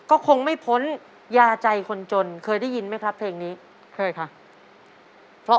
อัลบั้มยาใจคนจนของพี่ไม้พี่ลมพร